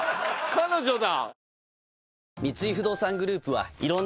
彼女だ！